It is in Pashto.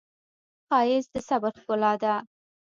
ښایست د صبر ښکلا ده